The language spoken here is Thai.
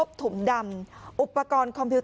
กลุ่มตัวเชียงใหม่